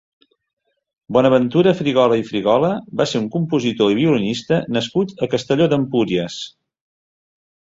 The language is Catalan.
Bonaventura Frigola i Frigola va ser un compositor i violinista nascut a Castelló d'Empúries.